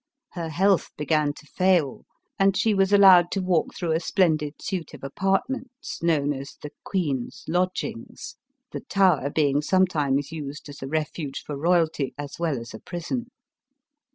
Her health began to fail, and she was allowed to walk through a splendid suit of apartments, known as the " queen's lodgings," the Tower being sometimes used as a refuge for royalty, as well as a prison.